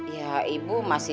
ya ibu masih